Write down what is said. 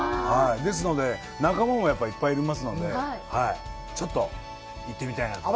ですので、仲間もやっぱりいますので、ちょっと行ってみたいなと。